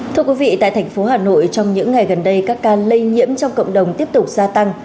thưa quý vị tại thành phố hà nội trong những ngày gần đây các ca lây nhiễm trong cộng đồng tiếp tục gia tăng